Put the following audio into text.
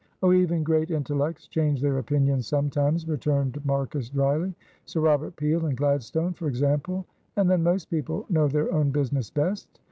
"Oh, even great intellects change their opinions sometimes," returned Marcus, dryly; "Sir Robert Peel and Gladstone, for example. And then most people know their own business best.